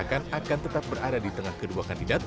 akan tetap berada di tengah kedua kandidat